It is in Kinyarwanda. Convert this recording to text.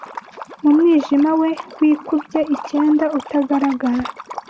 mu mwijima we wikubye icyenda Utagaragara